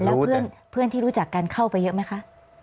แล้วเพื่อนที่รู้จักกันเข้าไปเยอะไหมคะ